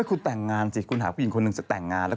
เออเขาแต่งงานเสียคุณหาผู้หญิงคนนึงจะแต่งงาน